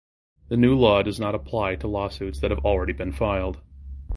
The new law does not apply to lawsuits that have already been filed.